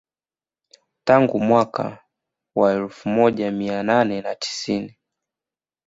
Tangu mwaka wa elfu moja mia nane na tisini